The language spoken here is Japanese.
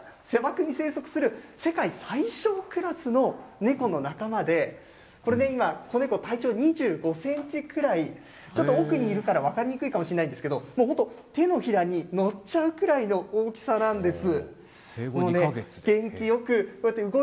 砂漠に生息する、世界最小クラスのネコの仲間で、これね、今、子ネコ、体長２５センチくらい、ちょっと奥にいるから分かりにくいかもしれないんですけど、本当、手のひらに乗っちゃうくらいの大きさなんです。